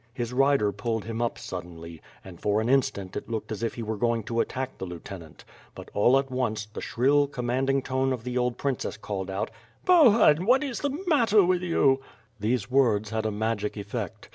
His rider pulled him up suddenly; and for an instant it looked as if he were going to attack the lieutenant; but all at once, the shrill, commanding tone of the old princess called out: • "Bohun, what is the matter with you?" WITH FIRE AND SWORD. 47 These words had a magic effect.